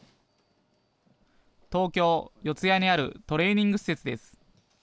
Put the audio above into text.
東京・四谷にあるトレーニング施設です。